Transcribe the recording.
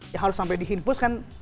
ya harus sampai dihinfuskan